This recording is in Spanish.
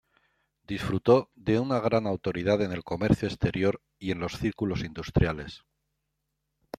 Disfrutó de una gran autoridad en el comercio exterior y en los círculos industriales.